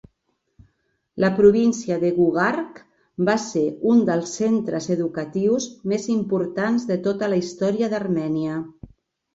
La província de Gugark va ser un dels centres educatius més importants de tota la història d'Armènia.